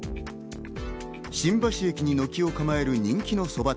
新橋駅に軒を構える人気のそば店。